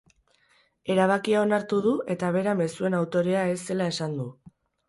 Erabakia onartu du eta bera mezuen autorea ez zela esan du.